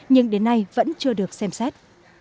nhưng đến nay vẫn chưa được xem xét